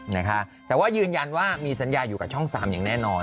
นะคะแต่ว่ายืนยันว่ามีสัญญาอยู่กับช่อง๓อย่างแน่นอน